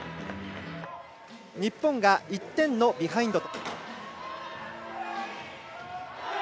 日本が１点のビハインド。